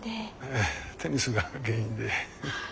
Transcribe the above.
ええテニスが原因で。